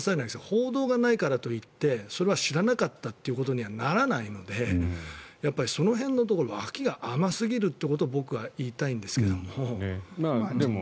報道がないからといってそれは知らなかったということにはならないのでその辺のところ脇が甘すぎるということを僕は言いたいんですけども。